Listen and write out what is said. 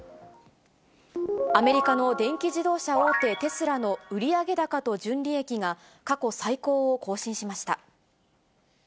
アメリカの電気自動車大手、テスラの売上高と純利益が過去最高を更新しました。